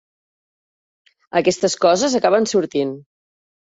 Aquestes coses acaben sortint.